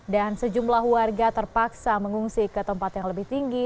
dan sejumlah warga terpaksa mengungsi ke tempat yang lebih tinggi